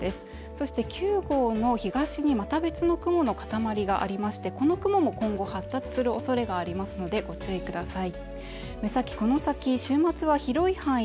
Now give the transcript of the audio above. そして９号の東にまた別の雲の塊がありましてこの雲も今後発達するおそれがありますのでご注意ください